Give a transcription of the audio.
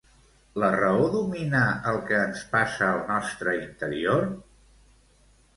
La raó domina els que ens passa al nostre interior?